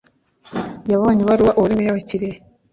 yabonye ibaruwa uwari Meya wa Kirehe